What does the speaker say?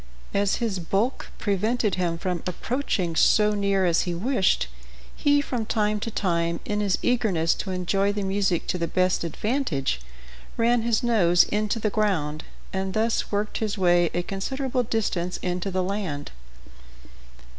As his bulk prevented him from approaching so near as he wished, he, from time to time, in his eagerness to enjoy the music to the best advantage, ran his nose into the ground, and thus worked his way a considerable distance into the land.